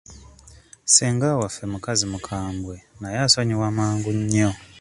Ssenga waffe mukazi mukambwe naye asonyiwa mangu nnyo.